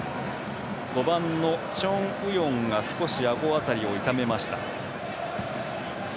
５番のチョン・ウヨンが少しあご辺りを痛めました。